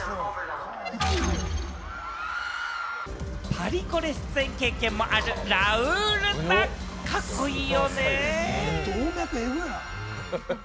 パリコレ出演経験もあるラウールさん、カッコいいよね！